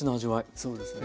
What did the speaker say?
そうですね。